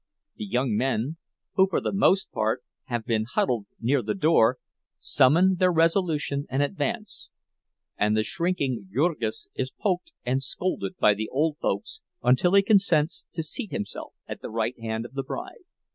The young men, who for the most part have been huddled near the door, summon their resolution and advance; and the shrinking Jurgis is poked and scolded by the old folks until he consents to seat himself at the right hand of the bride.